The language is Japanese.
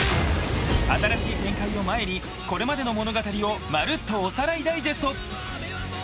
［新しい展開を前にこれまでの物語をまるっとおさらいダイジェスト］